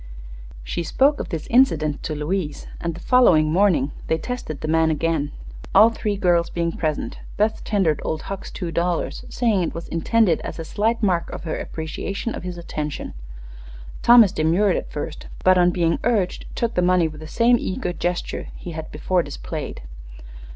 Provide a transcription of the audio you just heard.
She spoke of this incident to Louise, and the following morning they tested the man again. All three girls being present, Beth tendered Old Hucks two dollars, saying it was intended as a slight mark of her appreciation of his attention. Thomas demurred at first, but on being urged took the money with the same eager gesture he had before displayed.